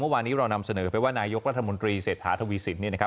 เมื่อวานี้เรานำเสนอไปว่านายกรัฐมนตรีเศรษฐาทวีสินทร์